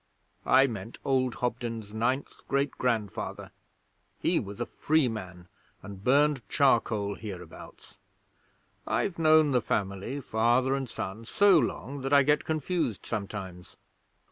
'I meant old Hobden's ninth great grandfather. He was a free man and burned charcoal hereabouts. I've known the family, father and son, so long that I get confused sometimes.